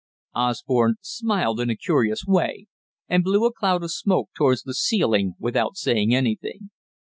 Osborne smiled in a curious way, and blew a cloud of smoke towards the ceiling without saying anything.